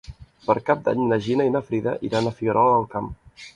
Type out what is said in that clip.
Per Cap d'Any na Gina i na Frida iran a Figuerola del Camp.